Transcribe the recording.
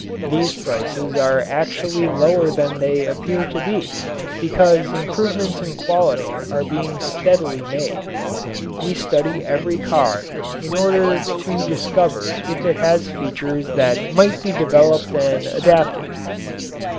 These prices are actually lower than they appear to be, because improvements in quality are being steadily made. We study every car in order to discover if it has features that might be developed and adapted.